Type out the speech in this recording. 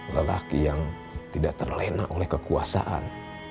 lelaki yang tidak terlena oleh kekuasaan